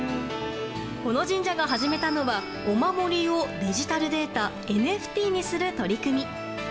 この神社が始めたのはお守りをデジタルデータＮＦＴにする取り組み。